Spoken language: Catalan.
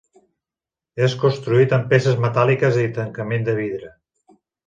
És construït amb peces metàl·liques i tancament de vidre.